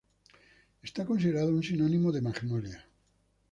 Es considerado un sinónimo de "Magnolia"